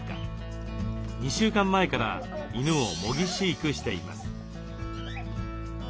２週間前から犬を模擬飼育しています。